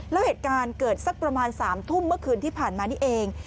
แล้วเหตุการณ์เกิดสักประมาณ๓ทุ่มเมื่อคืนที่ผ่านมานี่เอง